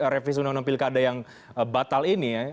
revisi undang undang pilkada yang batal ini ya